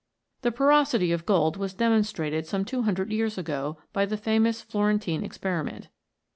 The porosity of gold was demonstrated some two hundred years ago by the famous Florentine experi ment.